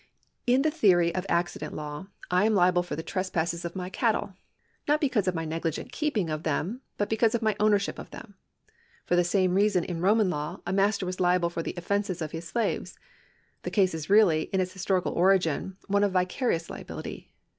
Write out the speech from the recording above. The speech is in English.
In the tlieory of ancient law T am liable for the trespasses of my cattle, not because of my negligent keeping of them, but because of my ownership of them. For the same reason in Roman law a master was liable for the ofEences of his slaves. The case is really, in its historical origin, one of vicarious liability.